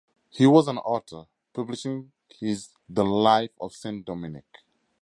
He was an author, publishing his "The Life of Saint Dominick".